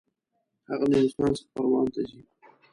هغه له نورستان څخه پروان ته ځي.